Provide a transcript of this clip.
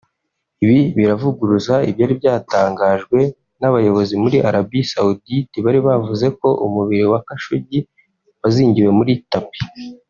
Ibi biravuguruza ibyari byatangajwe n’abayobozi muri Arabie Saoudite bari bavuze ko umubiri wa Khashoggi wazingiwe muri tapis